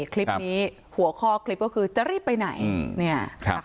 คลิปนี้หัวข้อคลิปก็คือจะรีบไปไหน